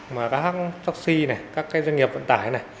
các hãng taxi các doanh nghiệp vận tải